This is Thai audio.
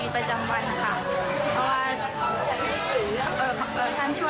ผมก็มีความสุขค่ะ